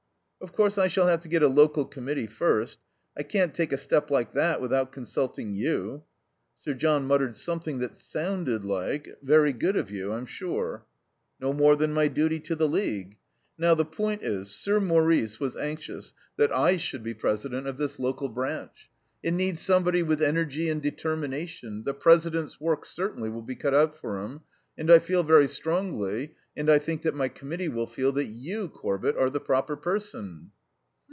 "Of course I shall have to get a local committee first. I can't take a step like that without consulting you." Sir John muttered something that sounded like "Very good of you, I'm sure." "No more than my duty to the League. Now, the point is, Sir Maurice was anxious that I should be president of this local branch. It needs somebody with energy and determination the president's work, certainly, will be cut out for him and I feel very strongly, and I think that my Committee will feel that you, Corbett, are the proper person."